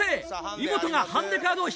イモトがハンデカードを引きます。